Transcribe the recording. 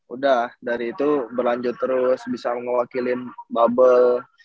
udah dari itu berlanjut terus bisa mewakilin bubble